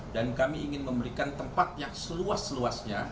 dan kami ingin memberikan tempat yang seluas seluasnya